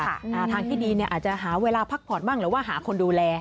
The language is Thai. ทางที่ดีเนี่ยอาจจะหาเวลาพักผ่อนบ้างหรือว่าหาคนดูแล